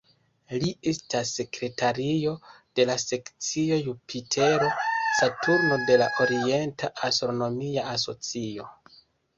Li estas sekretario de la Sekcio Jupitero-Saturno de la Orienta Astronomia Asocio.